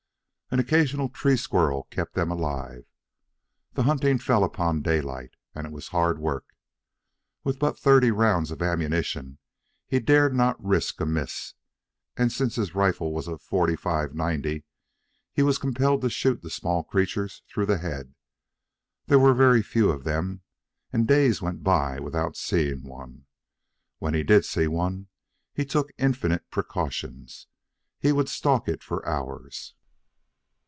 An occasional tree squirrel kept them alive. The hunting fell upon Daylight, and it was hard work. With but thirty rounds of ammunition, he dared not risk a miss; and, since his rifle was a 45 90, he was compelled to shoot the small creatures through the head. There were very few of them, and days went by without seeing one. When he did see one, he took infinite precautions. He would stalk it for hours.